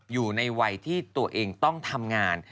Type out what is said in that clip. อยู่ในวัยที่ตัวเองต้องทำงาน